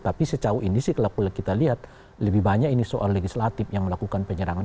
tapi sejauh ini sih kalau kita lihat lebih banyak ini soal legislatif yang melakukan penyerangan